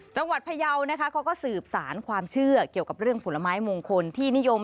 พยาวนะคะเขาก็สืบสารความเชื่อเกี่ยวกับเรื่องผลไม้มงคลที่นิยม